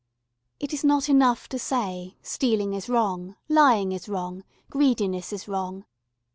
It is not enough to say, "Stealing is wrong," "Lying is wrong," "Greediness is wrong."